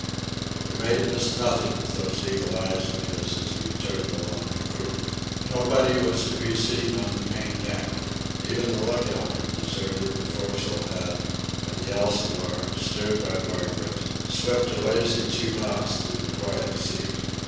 The mate missed nothing with those eagle eyes of his as he returned along the poop. Nobody was to be seen on the main deck. Even the lookout had deserted the forecastle head, and the Elsinore, steered by Margaret, slipped a lazy two knots through the quiet sea.